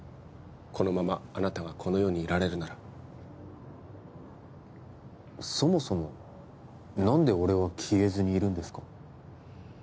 このままあなたがこの世にいられるならそもそも何で俺は消えずにいるんですか？